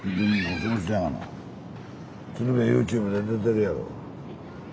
つるべＹｏｕＴｕｂｅで出てるやろ。